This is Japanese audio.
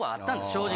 正直。